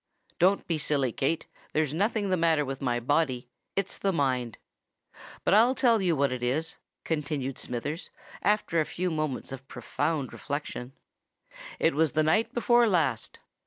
"Don't be silly, Kate: there's nothink the matter with my body;—it's the mind. But I'll tell you what it is," continued Smithers, after a few moments of profound reflection. "It was the night before last.